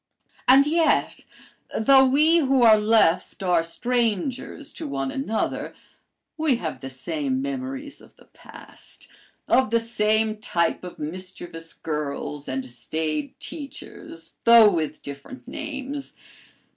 "And yet, though we who are left are strangers to one another, we have the same memories of the past, of the same type of mischievous girls and staid teachers, though with different names.